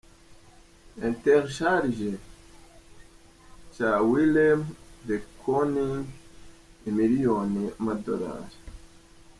Interchange ca Willem de Kooning - imiliyoni $.